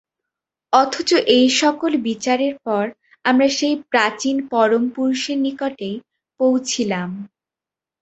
অথচ এই-সকল বিচারের পর আমরা সেই প্রাচীন পরম পুরুষের নিকটেই পৌঁছিলাম।